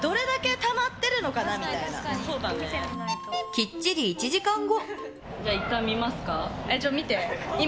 きっちり１時間後。